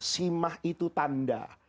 simah itu tanda